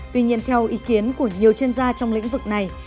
tuy nhiên theo ý kiến của nhiều chuyên gia trong lĩnh vực này